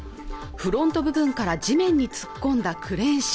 フロント部分から地面に突っ込んだクレーン車